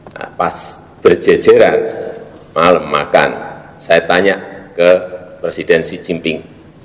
nah pas berjejeran malam makan saya tanya ke presiden xi jinping